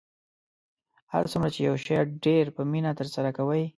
هر څومره چې یو شی ډیر په مینه ترسره کوئ